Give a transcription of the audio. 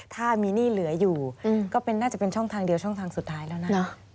ถ้ามีหนี้เหลืออยู่ก็น่าจะเป็นช่องทางเดียวช่องทางสุดท้ายแล้วนะ